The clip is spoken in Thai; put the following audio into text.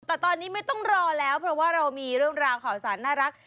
แต่ตอนนี้ไม่ต้องรอแล้วเพราะว่าเรามีเรื่องราวข่าวสารน่ารัก